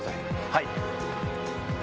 はい。